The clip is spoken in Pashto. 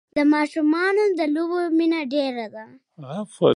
د ماشومان د لوبو مینه ډېره ده.